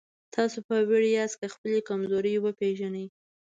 تاسو پیاوړي یاست که خپلې کمزورۍ وپېژنئ.